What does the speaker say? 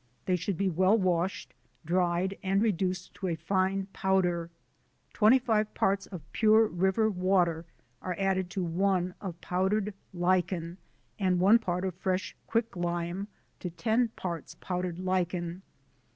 They should be well washed, dried, and reduced to a fine powder: 25 parts of pure river water are added to 1 of powdered lichen and 1 part of fresh quick lime to 10 parts powdered lichen.